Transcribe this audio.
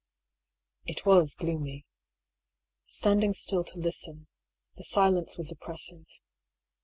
It was gloomy. Standing still to listen, the silence was oppressive.